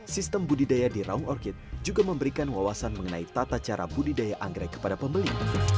sistem budidaya di raung orkit juga memberikan wawasan mengenai tata cara budidaya anggrek kepada pembeli